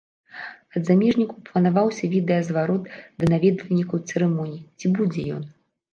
Ад замежнікаў планаваўся відэазварот да наведвальнікаў цырымоніі, ці будзе ён?